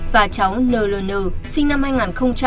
và cháu nln sinh năm hai nghìn hai mươi một ngụ tại đồng nai